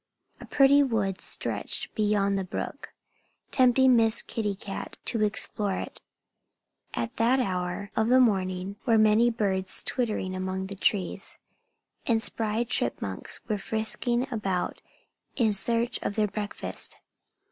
A pretty wood stretched beyond the brook, tempting Miss Kitty Cat to explore it. At that hour of the morning there were many birds twittering among the trees. And spry chipmunks were frisking about in search of their breakfast.